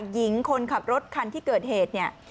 หญิงคนขับรถคันที่เกิดเหตุเนี่ย